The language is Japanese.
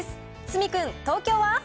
角君、東京は？